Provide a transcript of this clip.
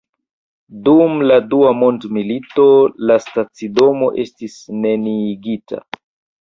Dum la dua mondmilito la stacidomo estis neniigita.